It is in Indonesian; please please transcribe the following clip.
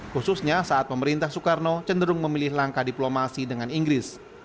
khususnya saat pemerintah soekarno cenderung memilih langkah diplomasi dengan inggris